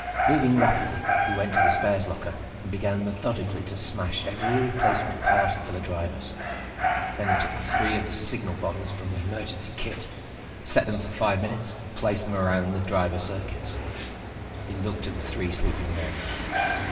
Moving rapidly, he went to the spares locker and began methodically to smash every replacement part for the drivers. Then he took three of the signal bombs from the emergency kit, set them for five minutes, and placed them around the driver circuits. He looked at the three sleeping men.